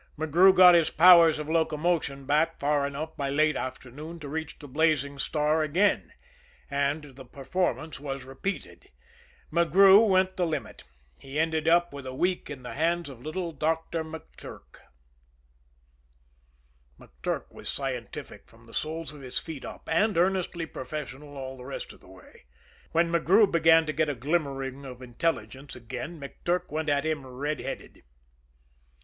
McGrew got his powers of locomotion back far enough by late afternoon to reach the Blazing Star again and the performance was repeated McGrew went the limit. He ended up with a week in the hands of little Doctor McTurk. McTurk was scientific from the soles of his feet up, and earnestly professional all the rest of the way. When McGrew began to get a glimmering of intelligence again, McTurk went at him red headed.